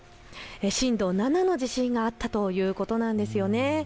震度７の地震があったということなんですよね。